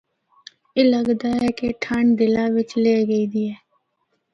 اے لگدا اے کہ ٹھنڈ دلّا بچ لِہہ گئی دی اے۔